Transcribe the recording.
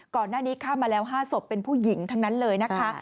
ก่อนหน้านี้ฆ่ามาแล้ว๕ศพเป็นผู้หญิงทั้งนั้นเลยนะคะ